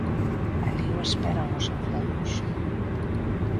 Alí o esperan os enfermos.